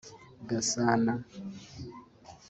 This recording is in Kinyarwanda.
Gasana